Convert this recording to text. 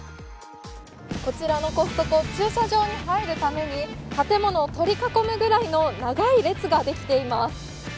こちらのコストコ、駐車場にはいるために、建物を取り囲むぐらいの長い列ができています。